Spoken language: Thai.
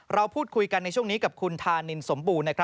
เราพูดคุยกันในช่วงนี้กับคุณธานินสมบูรณ์